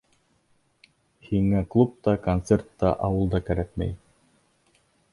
Һиңә клуб та, концерт та, ауыл да кәрәкмәй.